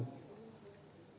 itu tadi keterangan di sana